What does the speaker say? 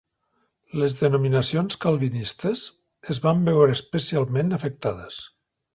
Les denominacions calvinistes es van veure especialment afectades.